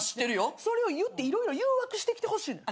それを言って色々誘惑してきてほしいのよ。